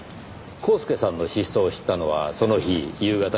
コースケさんの失踪を知ったのはその日夕方劇場で？